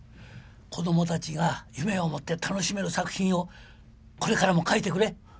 子供たちが夢を持って楽しめる作品をこれからも書いてくれ。